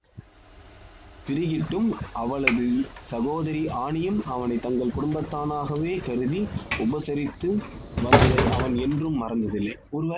பிரிகிட்டும் அவளது சகோதரி ஆன்னியும் அவனைத் தங்கள் குடும்பத்தானாகவே கருதி உபசரித்து வந்ததை அவன் என்றும் மறந்ததில்லை.